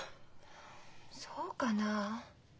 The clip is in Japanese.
そうかな？